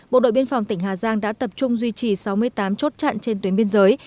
bộ đội biên phòng tỉnh hà giang đã tập trung duy trì sáu mươi tám chốt chặn trên tuyến biên giới